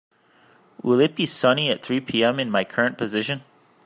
Will it be sunny at three pm in my current position